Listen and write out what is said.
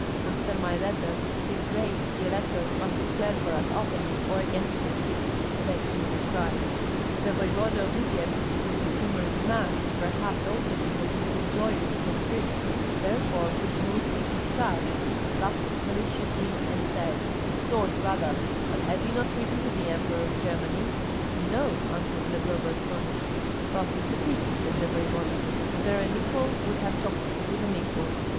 "After my letter, his grace the elector must declare for us openly or against us," said he, with pride. The voevoda of Vityebsk was a humorous man, and perhaps also he was a little joyous from drink; therefore he smoothed his mustache, laughed maliciously, and said, "Lord brother, but have you not written to the Emperor of Germany?" "No!" answered Zagloba, astonished. "That is a pity," said the voevoda; "for there an equal would have talked with an equal."